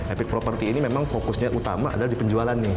epic property ini memang fokusnya utama adalah di penjualannya